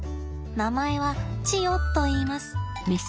名前はチヨといいます。